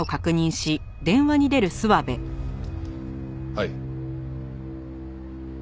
はい。